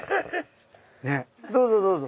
どうぞどうぞ。